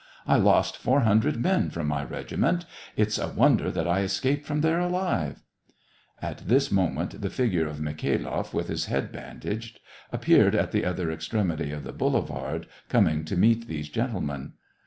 / lost four hundred men fro7n my regiment. It's a zvonder that I escaped from tJiere alive .'^ At this moment, the figure of Mikha'i'loff, with his head bandaged, appeared at the other ex tremity of the boulevard, coming to meet these gentlemen.